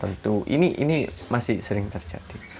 itu masih sering terjadi